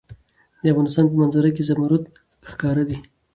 د افغانستان په منظره کې زمرد ښکاره ده.